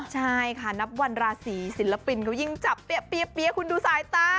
ใช่ค่ะนับวันราศีศิลปินเขายิ่งจับเปี๊ยะคุณดูสายตา